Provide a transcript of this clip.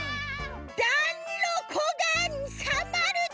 「だんろこがんさまるだ」！